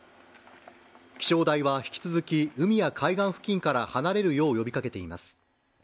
気象台は引き続き、海や海岸付近から離れるよう呼びかけています。